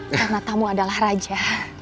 karena tamu adalah raja